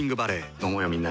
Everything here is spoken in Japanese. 飲もうよみんなで。